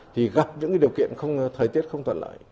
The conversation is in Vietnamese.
thì gặp những điều kiện thời tiết không thuận lợi